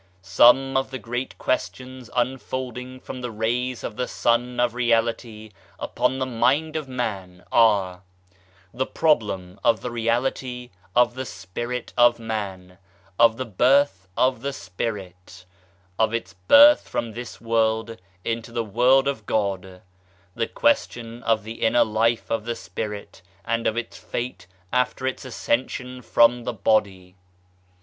Some of the great questions unfolding from the rays of the Sun of Reality upon the mind of man are : the problem of the reality of the spirit of man ; of the birth of the spirit ; of its birth from this world into the world of God ; the question of the inner life of the spirit and of its fate after its ascension from the body.